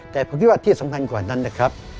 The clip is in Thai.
แต่ผมคิดว่าที่สำคัญกว่านั้นนะครับ